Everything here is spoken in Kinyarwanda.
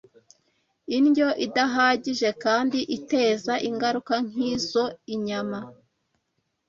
Indyo idahagije kandi iteza ingaruka nk’izo inyama